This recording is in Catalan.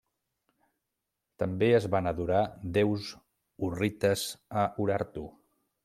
També es van adorar déus hurrites a Urartu.